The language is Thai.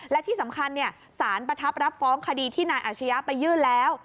และที่สำคัญสารประทับรับฟ้องคดีที่นายอาชญะไปยื่นแล้ว